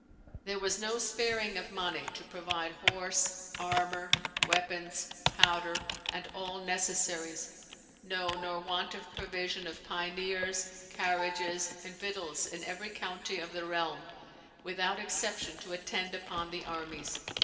There was no sparing of money to provide horse, armour, weapons, powder, and all necessaries; no, nor want of provision of pioneers, carriages, and victuals, in every county of the realm, without exception, to attend upon the armies.